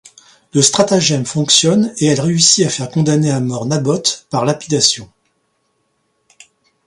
Le stratagème fonctionne et elle réussit à faire condamner à mort Naboth par lapidation.